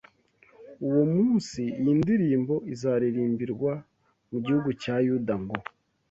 Uwo munsi iyi ndirimbo izaririmbirwa mu gihugu cya Yuda ngo